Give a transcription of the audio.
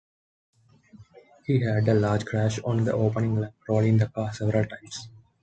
He had a large crash on the opening lap, rolling the car several times.